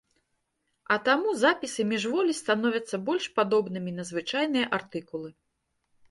А таму запісы міжволі становяцца больш падобнымі на звычайныя артыкулы.